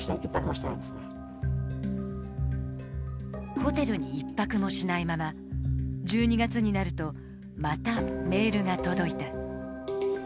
ホテルに一泊もしないまま１２月になるとまたメールが届いた。